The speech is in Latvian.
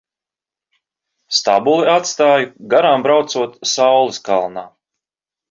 Stabuli atstāju garām braucot saules kalnā.